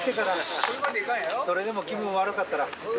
・それでも気分悪かったら。